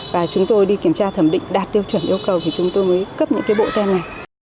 và chúng tôi đi kiểm tra thẩm định đạt tiêu chuẩn yêu cầu thì chúng tôi mới cấp những bộ tem này